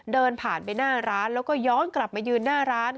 เดินผ่านไปหน้าร้านแล้วก็ย้อนกลับมายืนหน้าร้าน